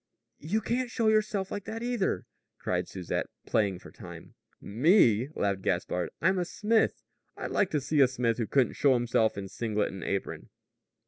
"You can't show yourself like that, either," cried Susette, playing for time. "Me?" laughed Gaspard. "I'm a smith. I'd like to see a smith who couldn't show himself in singlet and apron!"